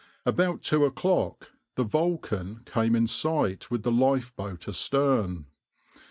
About two o'clock the {\itshape{Vulcan}} came in sight with the lifeboat astern.